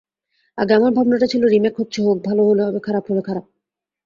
আগে আমার ভাবনাটা ছিলো রিমেক হচ্ছে হোক, ভালো হলে ভালো, খারাপ হলে খারাপ।